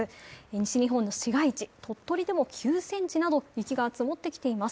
西日本の市街地、鳥取でも９ｃｍなど雪が積もってきています。